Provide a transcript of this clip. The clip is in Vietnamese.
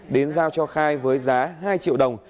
đến giao cho khai với giá hai triệu đồng